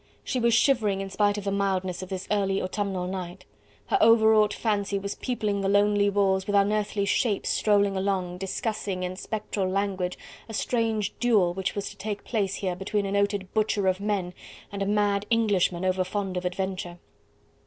She was shivering in spite of the mildness of this early autumnal night: her overwrought fancy was peopling the lonely walls with unearthly shapes strolling along, discussing in spectral language a strange duel which was to take place here between a noted butcher of men and a mad Englishman overfond of adventure.